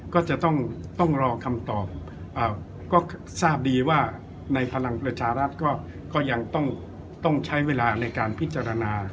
ก็จะต้องรอคำตอบก็ทราบดีว่าในพลังประชารัฐก็ยังต้องใช้เวลาในการพิจารณา